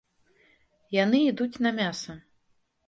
Яны ідуць на мяса.